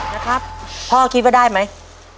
นะครับพ่อคิดว่าได้ไหม